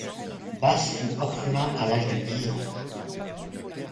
Bass fut orphelin à l'âge de dix ans.